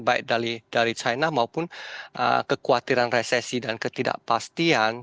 baik dari china maupun kekhawatiran resesi dan ketidakpastian